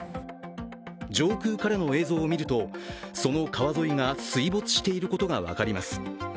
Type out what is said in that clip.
上空からの映像を見ると、その川沿いが水没していることが分かります。